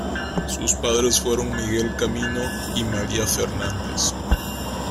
Sus padres fueron Miguel Camino y María Fernández.